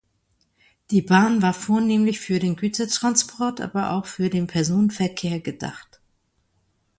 Die Bahn war vornehmlich für den Gütertransport, aber auch für den Personenverkehr gedacht.